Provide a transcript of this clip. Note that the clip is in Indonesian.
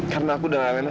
karena aku dan alena